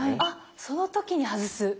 あっその時に外す！